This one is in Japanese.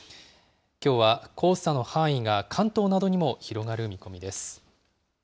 きょうは黄砂の範囲が関東などにも広がる見込みです。